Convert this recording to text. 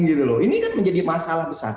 ini kan menjadi masalah besar